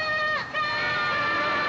はい！